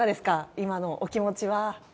今のお気持ちは。